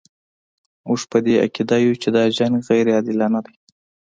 موږ په دې عقیده یو چې دا جنګ غیر عادلانه دی.